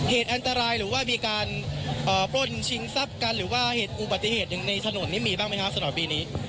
เหตุอันตรายหรือว่ามีการโปรดชิงทรัพย์กันหรือว่าเหตุอุบัติเหตุอย่างในถนนนี้มีบ้างไหมครับถนนปีนี้